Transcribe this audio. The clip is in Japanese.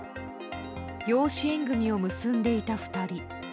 養子縁組を結んでいた２人。